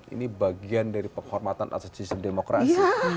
ini bagian dari pekormatan asistis dan demokrasi